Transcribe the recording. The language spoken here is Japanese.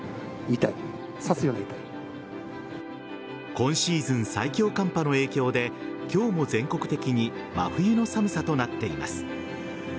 今シーズン最強寒波の影響で今日も、全国的に真冬の寒さとなっています。